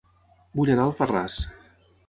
Vull anar a Alfarràs